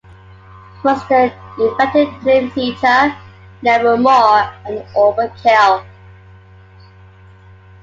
Mustaine invited Dream Theater, Nevermore and Overkill.